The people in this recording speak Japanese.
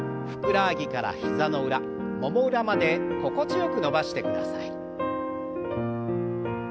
ふくらはぎから膝の裏もも裏まで心地よく伸ばしてください。